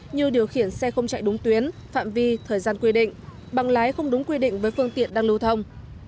như điều khiển xe không chạy đúng tuyến phạm vi thời gian quy định bằng lái không đúng quy định với phương tiện đang lưu thông